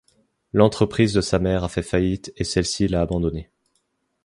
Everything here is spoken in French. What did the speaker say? L'entreprise de sa mère a fait faillite et celle-ci l'a abandonnée.